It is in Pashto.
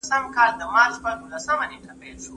د ژوند طريقي څه اغېز درلود؟